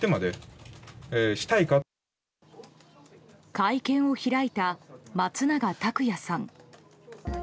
会見を開いた松永拓也さん。